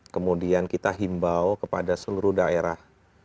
kemudian kita himbau kepada seluruh daerah